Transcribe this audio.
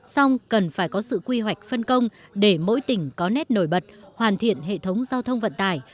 xong cần phải có sự quy hoạch phân công để mỗi tỉnh có nét nổi bật hoàn thiện hệ thống giao thông vận tải